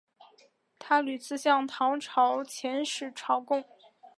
他屡次向唐朝遣使朝贡。